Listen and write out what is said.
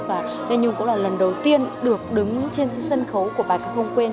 và lê nhung cũng là lần đầu tiên được đứng trên sân khấu của bài ca không quên